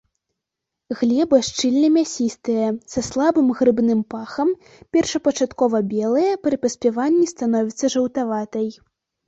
Глеба шчыльна-мясістая, са слабым грыбным пахам, першапачаткова белая, пры паспяванні становіцца жаўтаватай.